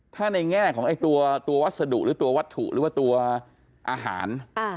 ถ้าในแง่ของตัววัสดุหรือตัววัตถุหรือว่าตัวอาหาร